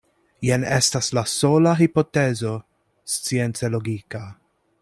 Jen estas la sola hipotezo science logika.